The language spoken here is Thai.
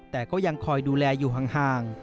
แต่ก็ยังคอยดูแลอยู่ห่าง